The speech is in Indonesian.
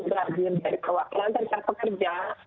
dan juga ada dari kewakilan terserah pekerja